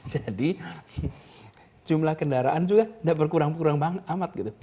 jadi jumlah kendaraan juga tidak berkurang kurang amat